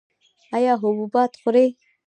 ایا حبوبات خورئ؟